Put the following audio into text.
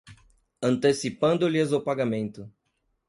antecipando-lhes o pagamento